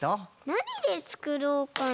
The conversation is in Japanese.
なにでつくろうかな？